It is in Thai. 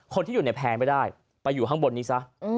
คนที่อยู่ในแพร่ไม่ได้ไปอยู่ข้างบนนี้ซะ